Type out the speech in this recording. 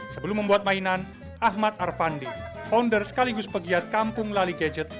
sebelum membuat mainan ahmad arfandi founder sekaligus pegiat kampung lali gadget